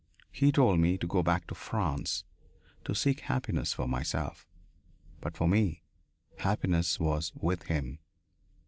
He told me to go back to France, to seek happiness for myself. But for me happiness was with him.